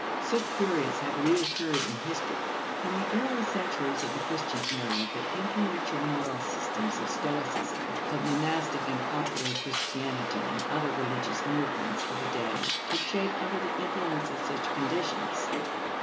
Such periods have recurred in history. In the early centuries of the Christian era, the influential moral systems of Stoicism, of monastic and popular Christianity and other religious movements of the day, took shape under the influence of such conditions.